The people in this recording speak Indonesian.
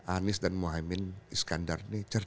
anies dan mohaimin iskandar nih